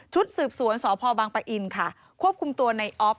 ชุดสืบสวนสพปะอินค่ะควบคุมตัวนายอ๊อฟ